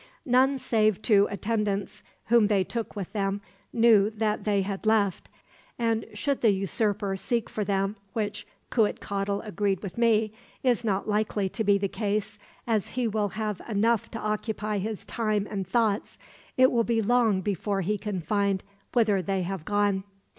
None save two attendants, whom they took with them, knew that they had left; and should the usurper seek for them which, Cuitcatl agreed with me, is not likely to be the case, as he will have enough to occupy his time and thoughts it will be long before he can find whither they have gone.